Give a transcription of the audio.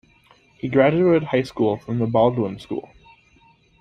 He graduated high school from the Baldwin School.